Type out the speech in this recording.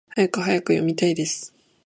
はやくはやく！読みたいです！